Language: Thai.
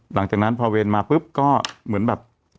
หลังจากนั้นพาเวนมาก็เหมือนแบบ